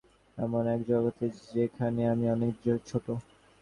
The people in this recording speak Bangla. এমন এক জগতে, যেখানে আমি অনেক ছোট।